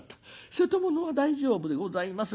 『瀬戸物は大丈夫でございます』